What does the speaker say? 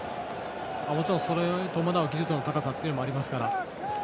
もちろんそれに伴う技術の高さもありますから。